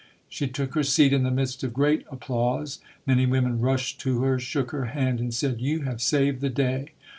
She took her seat in the midst of great applause. Many women rushed to her, shook her hand and said, "You have saved the day".